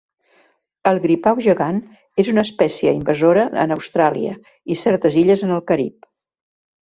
El gripau gegant és una espècia invasora en Austràlia i certes illes en el Carib.